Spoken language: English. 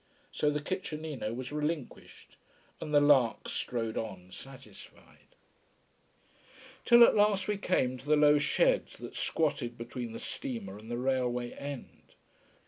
So the kitchenino was relinquished, and the lark strode on satisfied. Till at last we came to the low sheds that squatted between the steamer and the railway end.